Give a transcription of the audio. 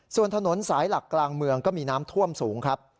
ส่วนถนนสายหลักกลางเมืองก็มีน้ำท่วมสูงครับ